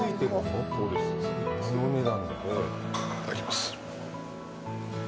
いただきます。